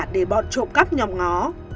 để bọn trộm cắp nhọc ngó